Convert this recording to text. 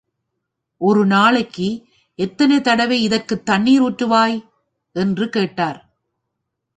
ஒரு நாளைக்கு எத்தனை தடவை இதற்குத் தண்ணிர் ஊற்றுவாய்? என்று கேட்டார்.